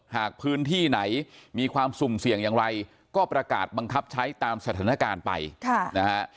หากพื้นที่ไหนมีความสุ่มเสี่ยงอย่างไรก็ประกาศบังคับใช้ตามสถานการณ์ไปนะฮะ